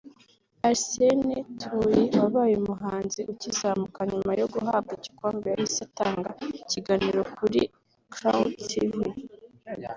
Arsene Tuyi wabaye umuhanzi ukizamuka nyuma yo guhabwa igikombe yahise atanga ikiganiro kuri Cloud Tv